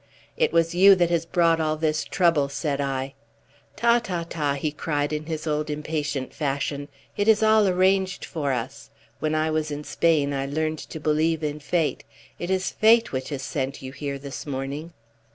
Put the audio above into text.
"It is you that has brought all this trouble," said I. "Ta, ta, ta!" he cried, in his old impatient fashion. "It is all arranged for us. When I was in Spain I learned to believe in Fate. It is Fate which has sent you here this morning."